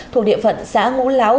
thuộc địa phận xã ngũ láo